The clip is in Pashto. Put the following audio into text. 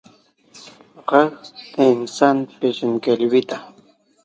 غږ د انسان پیژندګلوي ده